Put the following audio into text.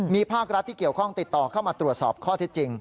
มีภาครัฐที่เกี่ยวข้องติดต่อเข้ามาตรวจสอบข้อเท็จจริง